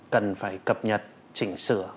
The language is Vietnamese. cần phải cập nhật chỉnh sửa